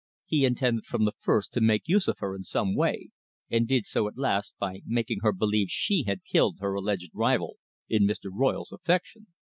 He intended from the first to make use of her in some way, and did so at last by making her believe she had killed her alleged rival in Mr. Royle's affection.